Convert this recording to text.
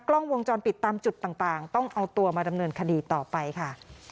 กล้องวงจรปิดตามจุดต่างต้องเอาตัวมาดำเนินคดีต่อไปค่ะ